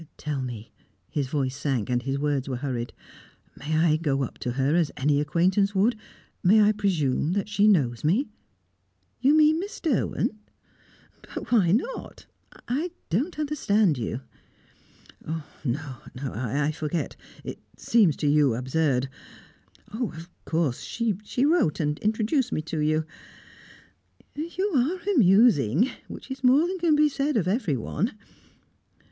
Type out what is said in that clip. Tell me," his voice sank, and his words were hurried. "May I go up to her as any acquaintance would? May I presume that she knows me?" "You mean Miss Derwent? But why not? I don't understand you." "No I forget it seems to you absurd. Of course she wrote and introduced me to you " "You are amusing which is more than can be said of everyone."